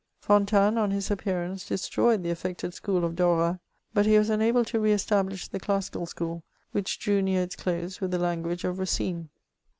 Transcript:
Fontanes, on his appearance, destroyed the affected school of Dorat, but he was unable to re establish the classical school, which drew near its close with the language of Racine.